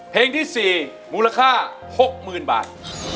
เพลงที่สี่มูลค่าหกหมื่นบาท